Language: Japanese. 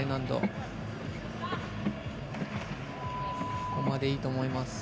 ここまでいいと思います。